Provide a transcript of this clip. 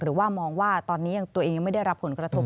หรือว่ามองว่าตอนนี้ตัวเองยังไม่ได้รับผลกระทบ